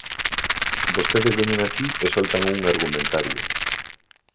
Vostedes veñen aquí e soltan un argumentario.